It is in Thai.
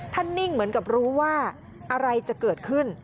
นิ่งเหมือนกับรู้ว่าอะไรจะเกิดขึ้น